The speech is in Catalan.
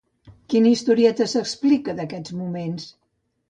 Quina historieta s'explica, d'aquests moments?